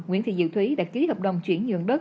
nguyễn thị diệu thúy đã ký hợp đồng chuyển nhượng đất